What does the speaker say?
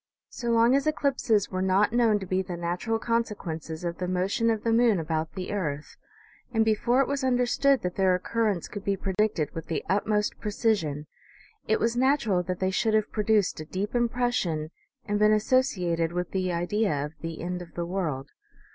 So long as eclipses were not known to be the natural consequences of the motion of the moon about the earth, OMEGA . 159 and before it was understood that their occurrence could be predicted with the utmost precision, it was natural that they should have produced a deep impression and been as sociated with the idea of the end of the world.